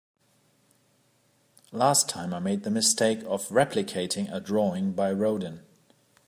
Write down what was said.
Last time, I made the mistake of replicating a drawing by Rodin.